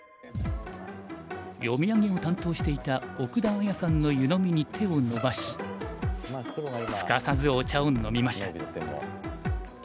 読み上げを担当していた奥田あやさんの湯飲みに手を伸ばしすかさずお茶を飲みました。